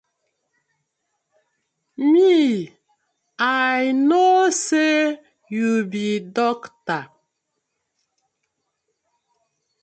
Mi I no say yu bi dokta.